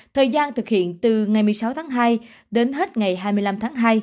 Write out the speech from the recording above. thời gian thực hiện từ ngày một mươi sáu tháng hai đến hết ngày hai mươi năm tháng hai